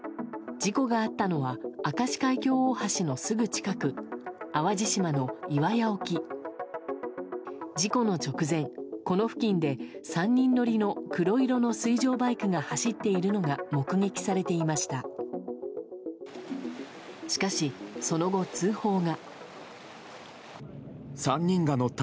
事故の直前、この付近で３人乗りの黒色の水上バイクが走っているのが目撃されていました。